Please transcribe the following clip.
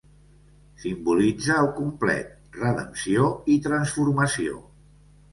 Simbolitza el complet, redempció i transformació.